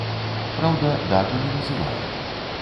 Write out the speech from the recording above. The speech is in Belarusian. Праўда, дату не называе.